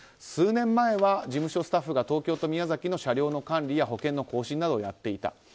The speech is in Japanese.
数年前は事務所スタッフが東京と宮崎の車両の管理や保険の更新などをやっていた。